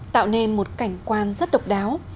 tạo nên một cảnh quan rất độc đáo